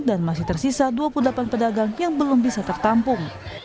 dan masih tersisa dua puluh delapan pedagang yang belum bisa tertampung